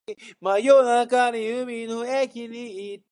真夜中に海の駅に行った